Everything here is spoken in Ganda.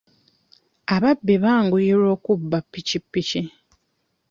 Ababbi banguyirwa okubba ppikippiki.